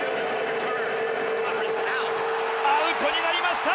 アウトになりました。